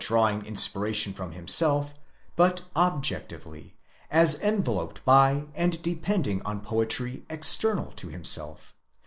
drawing inspiration from himself, but objectively, as enveloped by and de pending on poetry external to himself.